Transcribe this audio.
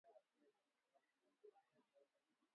mbolea ya kuku